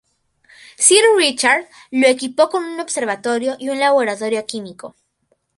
Sir Richard lo equipó con un observatorio y un laboratorio químico.